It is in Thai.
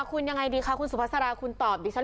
คุณยังไงดีคะคุณสุภาษาราคุณตอบดิฉัน